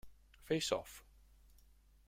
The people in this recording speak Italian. Face Off!